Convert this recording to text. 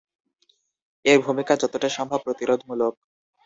এর ভূমিকা যতটা সম্ভব প্রতিরোধমূলক।